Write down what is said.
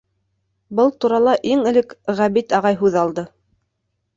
Был турала иң элек Ғәбит ағай һүҙ алды: